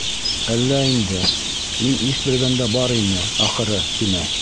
— Әллә инде, мин иҫ белгәндә бар ине, ахыры,— тине.